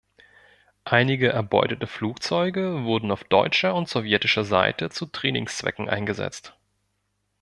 Einige erbeutete Flugzeuge wurden auf deutscher und sowjetischer Seite zu Trainingszwecken eingesetzt.